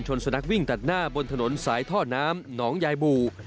สุนัขวิ่งตัดหน้าบนถนนสายท่อน้ำหนองยายบู่